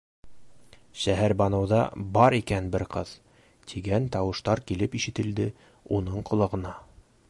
Шәһәрбаныуҙа бар икән бер ҡыҙ! - тигән тауыштар килеп ишетелде уның ҡолағына.